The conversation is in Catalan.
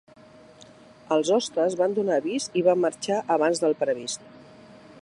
Els hostes van donar avís i van marxar abans del previst.